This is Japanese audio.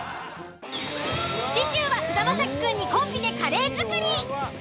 次週は菅田将暉くんにコンビでカレー作り。